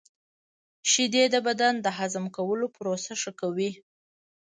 • شیدې د بدن د هضم کولو پروسه ښه کوي.